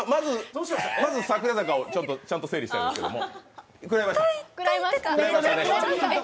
まず櫻坂をちゃんと整理したいんですけれどもくらいました？